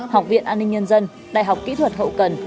học viện an ninh nhân dân đại học kỹ thuật hậu cần